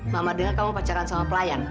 mak ma dengar kamu pacaran sama pelayan